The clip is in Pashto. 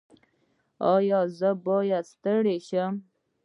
ایا زه باید ستړی شم؟